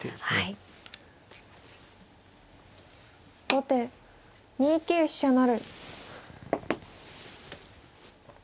後手２九飛車成。